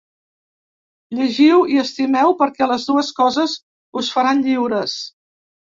Llegiu i estimeu perquè les dues coses us faran lliures.